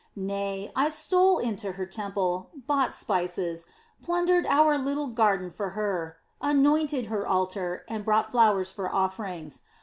Nay, I stole into her temple, bought spices, plundered our little garden for her, anointed her altar, and brought flowers for offerings.